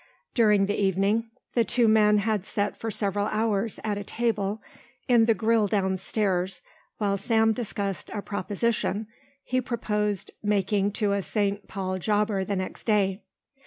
During the evening the two men had sat for several hours at a table in the grill down stairs while Sam discussed a proposition he proposed making to a St. Paul jobber the next day.